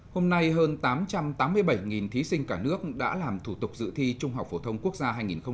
hôm nay hơn tám trăm tám mươi bảy thí sinh cả nước đã làm thủ tục dự thi trung học phổ thông quốc gia hai nghìn một mươi chín